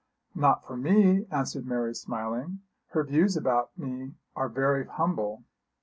'Not for me,' answered Mary smiling. 'Her views about me are very humble.